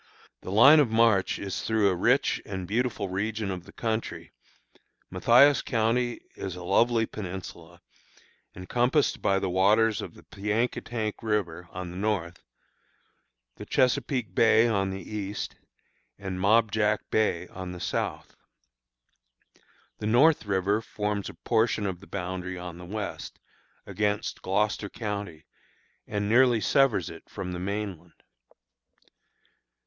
The line of march is through a rich and beautiful region of country. Mathias county is a lovely peninsula, encompassed by the waters of the Piankatank River, on the north, the Chesapeake Bay, on the east, and Mob Jack Bay, on the south. The North River forms a portion of its boundary on the west, against Gloucester county, and nearly severs it from the mainland.